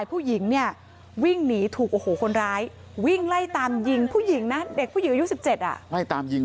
ผู้หญิงอายุ๑๗คนร้ายไล่ตามยิงเลย